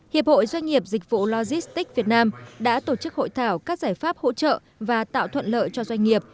hiệp hội doanh nghiệp dịch vụ logistics việt nam đã tổ chức hội thảo các giải pháp hỗ trợ và tạo thuận lợi cho doanh nghiệp